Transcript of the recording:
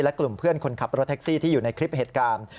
และกลุ่มเพื่อนคนขับรถแท็กซี่ที่อยู่ในคลิปเหตุการณ์